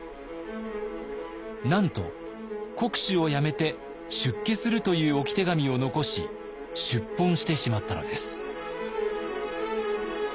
なんと国主を辞めて出家するという置き手紙を残し出奔してしまったのです。